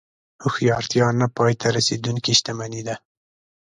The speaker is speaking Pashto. هوښیارتیا نه پای ته رسېدونکې شتمني ده.